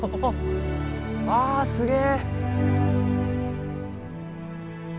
ああすげえ！